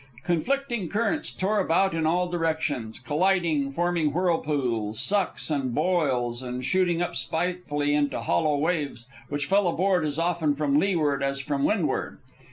Conflicting currents tore about in all directions, colliding, forming whirlpools, sucks, and boils, and shooting up spitefully into hollow waves which fell aboard as often from leeward as from windward.